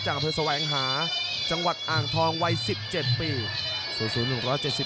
อำเภอแสวงหาจังหวัดอ่างทองวัย๑๗ปี